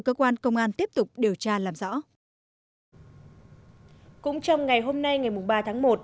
cũng trong ngày hôm nay ngày ba tháng một